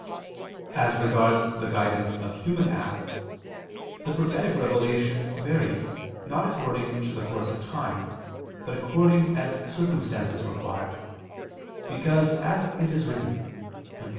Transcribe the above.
As regards the guidance of human acts, the prophetic revelation varied not according to the course of time, but according as circumstances required, because as it is written (Prov.